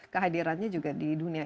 kehadirannya juga di dunia